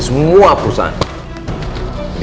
aku mau pergi